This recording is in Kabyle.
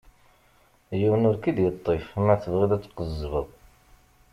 Yiwen ur k-id-yeṭṭif ma tebɣiḍ ad tqezzbeḍ.